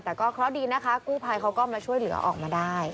แต่ก็เคราะห์ดีนะคะกู้ภัยเขาก็มาช่วยเหลือออกมาได้